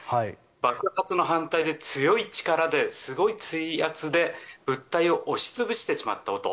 爆発の反対で強い力で、強い水圧で物体を押し潰してしまったこと。